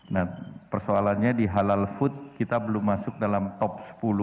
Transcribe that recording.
nah persoalannya di halal food kita belum masuk dalam top sepuluh